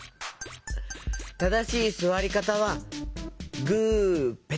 ただしいすわりかたは「グーペタ」。